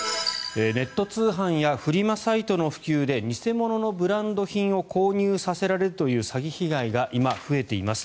ネット通販やフリマサイトの普及で偽物のブランド品を購入させられるという詐欺被害が今、増えています。